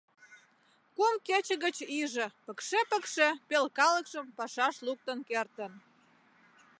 Кум кече гыч иже пыкше-пыкше пел калыкшым пашаш луктын кертын.